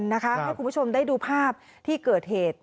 ให้คุณผู้ชมได้ดูภาพที่เกิดเหตุ